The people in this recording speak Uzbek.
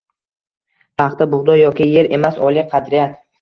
Paxta, bug‘doy yoki yer emas oliy qadriyat